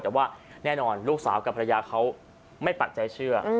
แต่ว่าแน่นอนลูกสาวกับภรรยาเขาไม่ปักใจเชื่อ